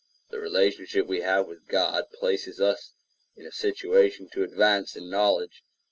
The relationship we have with God places us in a situation to advance in knowledge.